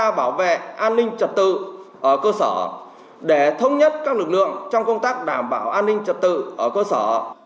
tổ chức quân chúng tham gia bảo vệ an ninh trật tự ở cơ sở để thống nhất các lực lượng trong công tác đảm bảo an ninh trật tự ở cơ sở